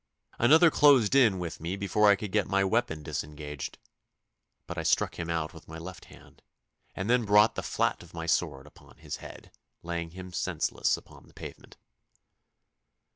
Another closed in with me before I could get my weapon disengaged, but I struck him out with my left hand, and then brought the flat of my sword upon his head, laying him senseless upon the pavement.